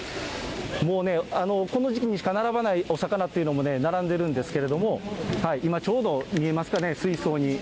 もうね、この時期にしか並ばないお魚というのも並んでるんですけれども、今、ちょうど見えますかね、水槽に。